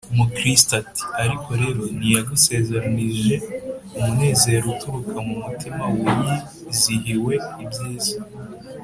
Mukristo ati: Ariko rero ntiyagusezeranije umunezero uturuka mu mutima wiyizihiwe ibyiza